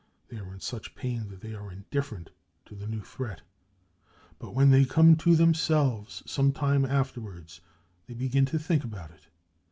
They are in such pain that they are indifferent to the new threat. But when they come to themselves some i time afterwards, they begin to think about it.